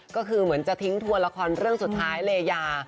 ก็คือเหมือนจะทิ้งทัวร์ละครเรื่องสุดท้ายเลยยา